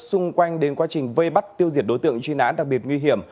xung quanh đến quá trình vây bắt tiêu diệt đối tượng truy nãn đặc biệt nguy hiểm